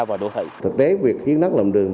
và đô thị thực tế việc hiến đất làm đường